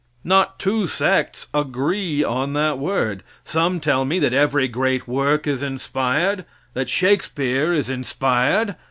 Not two sects agree on that word. Some tell me that every great work is inspired; that Shakespeare is inspired.